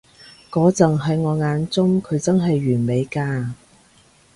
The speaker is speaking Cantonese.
嗰陣喺我眼中，佢真係完美㗎